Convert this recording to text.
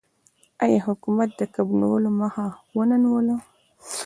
آیا حکومت د کب نیولو مخه ونه نیوله؟